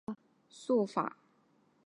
他的名字引用自回溯法。